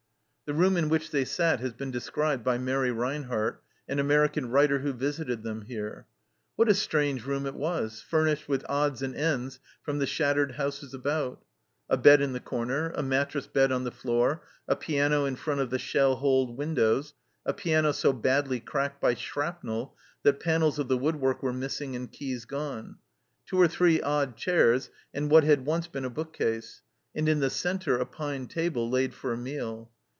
The room in which they sat has been described by Mary Rinehart, an American writer, who visited them here. " What a strange room it was, furnished with odds and ends from the shattered houses about ! A bed in the corner, a mattress bed on the floor, a piano in front of the shell holed windows a piano so badly cracked by shrapnel that panels of the woodwork were missing and keys gone two or three odd chairs, and what had once been a book case, and in the centre a pine table laid for a meal.